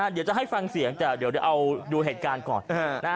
เดี๋ยวจะให้ฟังเสียงแต่เดี๋ยวเอาดูเหตุการณ์ก่อน